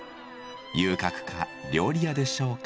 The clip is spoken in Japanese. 遊郭か料理屋でしょうか。